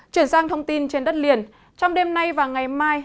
chuyển sang thông tin trên đất liền trong đêm nay và ngày mai